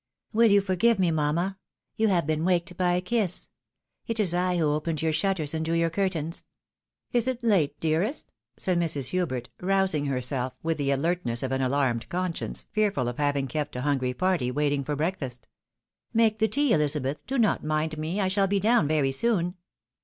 " Will you forgive me, mamma ? You have been waked by a kiss. It is I who opened your shutters and drew your curtains." "Is it late, dearest?" said Mrs. Hubert, rousing herself with the alertness of an alarmed conscience, fearful of having kept a hungry party waiting for breakfast. '" Make the tea, Ehzabeth. Do not mind me — I shall be down very soon."